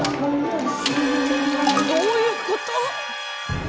どういうこと？